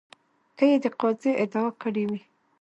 که یې د قاضي ادعا کړې وي.